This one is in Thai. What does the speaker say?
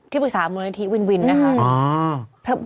ที่ปรึกษามนตรีวินวินนะคะ